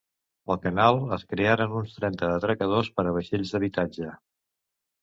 Al canal es crearan uns trenta atracadors per a vaixells d'habitatge.